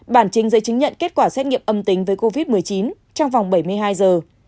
bản trình giấy chứng nhận kết quả xét nghiệm âm tính với covid một mươi chín trong vòng bảy mươi hai giờ